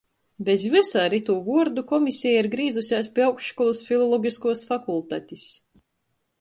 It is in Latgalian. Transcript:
Bez vysa ar itū vuordu komiseja ir grīzusēs pi augstškolys filologiskuos fakultatis,